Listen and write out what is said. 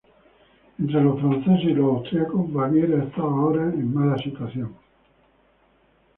Entre los franceses y los austríacos, Baviera estaba ahora en mala situación.